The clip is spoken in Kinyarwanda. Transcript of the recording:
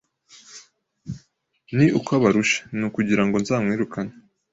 ni uko abarusha, ni ukugira ngo nzamwirukane.